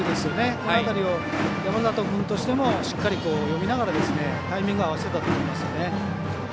この辺りを山里君としても、しっかり読みながらタイミング合わせたと思います。